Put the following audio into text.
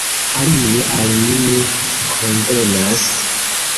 Alie al mi ne konvenas.